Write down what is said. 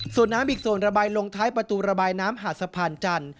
ส่วนน้ำอีกส่วนระบายลงท้ายประตูระบายน้ำหาดสะพานจันทร์